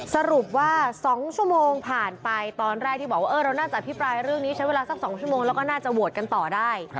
สรุปว่า๒ชั่วโมงผ่านไปตอนแรกที่บอกว่าเราน่าจะอภิปรายเรื่องนี้ใช้เวลาสัก๒ชั่วโมงแล้วก็น่าจะโหวตกันต่อได้